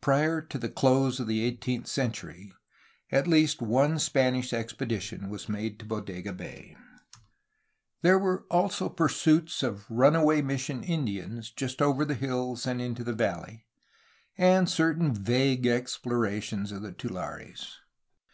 Prior to the close of the eighteenth century at least one Spanish ex pedition, was made to Bodega Bay. There were also pursuits of runaway mission Indians just over the hills and into the valley, and certain vague explorations of the tulares.